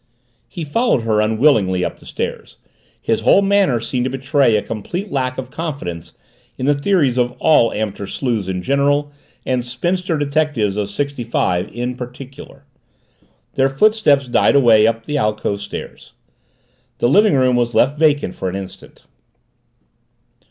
He followed her unwillingly up the stairs, his whole manner seeming to betray a complete lack of confidence in the theories of all amateur sleuths in general and spinster detectives of sixty five in particular. Their footsteps died away up the alcove stairs. The living room was left vacant for an instant.